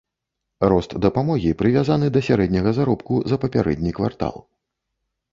Рост дапамогі прывязаны да сярэдняга заробку за папярэдні квартал.